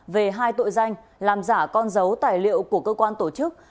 về hai tội danh làm giả con dấu tài liệu của cơ quan tổ chức